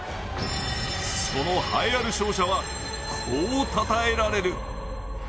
その栄えある勝者は、こう称えられる。